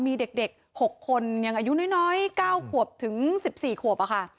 มีเด็ก๖คนยังอายุน้อย๙ขวบถึง๑๔ขวบค่ะ